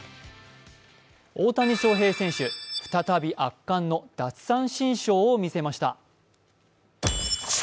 大谷翔平選手、再び圧巻の奪三振ショーを見せました。